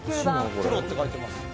「ＰＲＯって書いてます」